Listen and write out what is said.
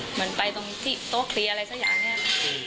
เหมือนไปตรงที่โต๊ะเคลียร์อะไรสักอย่างนี้